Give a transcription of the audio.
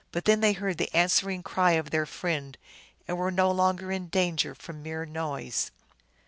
But then they heard the answering cry of their friend, and were no longer in danger from mere noise.